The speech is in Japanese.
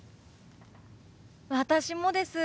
私もです。